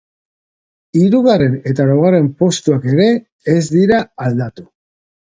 Hirugarren eta laugarren postuak ere, ez dira aldatu.